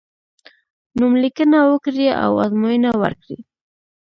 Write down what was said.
نوم لیکنه وکړی او ازموینه ورکړی.